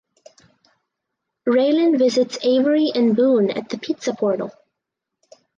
Raylan visits Avery and Boon at the Pizza Portal.